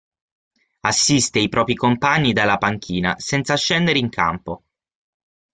Assiste i propri compagni dalla panchina, senza scendere in campo.